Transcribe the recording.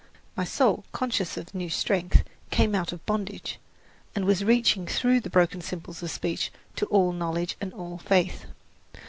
My soul, conscious of new strength, came out of bondage, and was reaching through those broken symbols of speech to all knowledge and all faith.